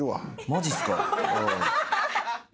マジっすか。